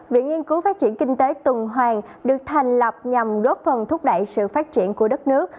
viện nghiên cứu phát triển kinh tế tuần hoàng được thành lập nhằm góp phần thúc đẩy sự phát triển của đất nước